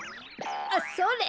あっそれ！